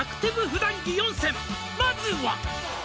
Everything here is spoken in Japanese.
「まずは」